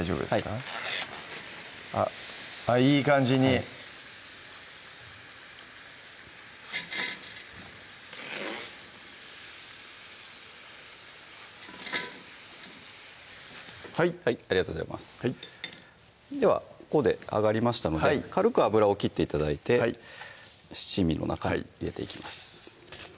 はいあっいい感じにはいはいありがとうございますではここで揚がりましたので軽く油を切って頂いて七味の中に入れていきます